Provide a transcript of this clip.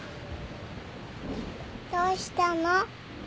どうしたの？